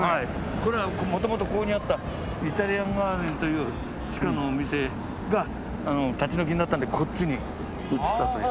これは元々ここにあったイタリアンガーデンという地下のお店が立ち退きになったんでこっちに移ったという。